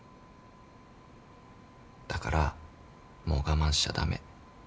だからもう我慢しちゃ駄目。